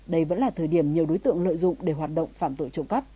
đây vẫn là thời điểm nhiều đối tượng lợi dụng để hoạt động phạm tội trộm cắp